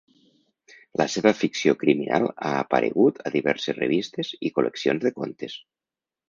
La seva ficció criminal ha aparegut a diverses revistes i col·leccions de contes.